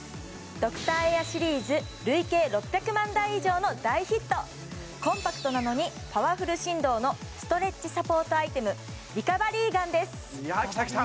ドクターエアシリーズ累計６００万台以上の大ヒットコンパクトなのにパワフル振動のストレッチサポートアイテムリカバリーガンですいやあきたきた！